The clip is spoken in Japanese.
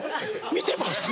見てます！